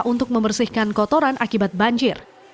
untuk membersihkan kotoran akibat banjir